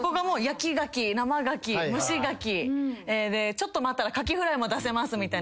ちょっと待ったら牡蠣フライも出せますみたいな。